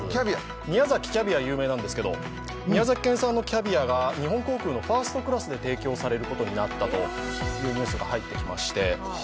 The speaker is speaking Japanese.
宮崎、キャビア有名なんですけど、宮崎県産のキャビアが日本航空のファーストクラスで提供されるようになったというニュースが入ってきまして。